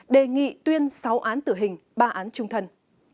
đề nghị tuyên sáu án tử hình ba án trung thân